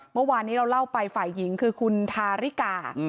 เมื่อวานนี้เราเล่าไปฝ่ายหญิงคือคุณทาริกา